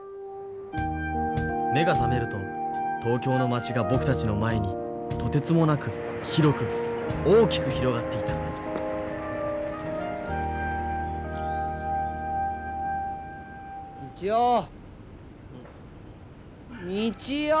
目が覚めると東京の街が僕たちの前にとてつもなく広く大きく広がっていた道雄！